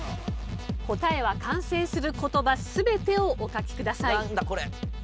答えは完成する言葉全てをお書きください。